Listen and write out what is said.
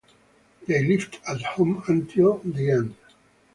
They lived at home until the end.